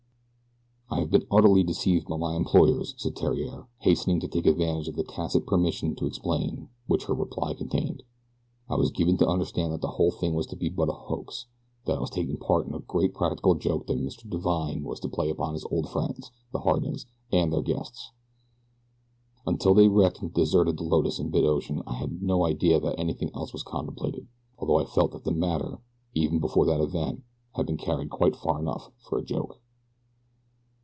"I have been utterly deceived by my employers," said Theriere, hastening to take advantage of the tacit permission to explain which her reply contained. "I was given to understand that the whole thing was to be but a hoax that I was taking part in a great practical joke that Mr. Divine was to play upon his old friends, the Hardings and their guests. Until they wrecked and deserted the Lotus in mid ocean I had no idea that anything else was contemplated, although I felt that the matter, even before that event, had been carried quite far enough for a joke.